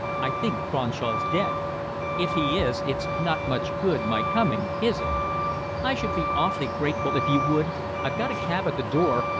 I think Cronshaw's dead." "If he is it's not much good my coming, is it?" "I should be awfully grateful if you would. I've got a cab at the door.